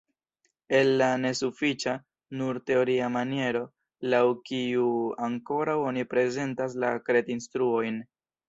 El la nesufiĉa, nur teoria maniero, laŭ kiu ankoraŭ oni prezentas la kred-instruojn!